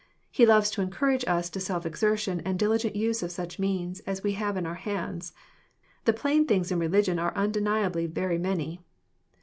He loves to encourage us to solf exertion and diligent use of such means as we have in our hands. The plain things in religion are undeniably very many.